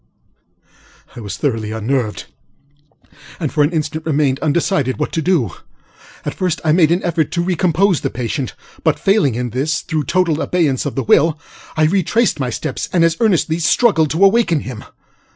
ŌĆØ I was thoroughly unnerved, and for an instant remained undecided what to do. At first I made an endeavor to recompose the patient; but, failing in this through total abeyance of the will, I retraced my steps and as earnestly struggled to awaken him.